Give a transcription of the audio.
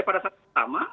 pada saat pertama